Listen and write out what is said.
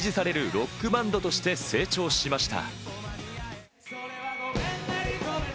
ロックバンドとして成長しました。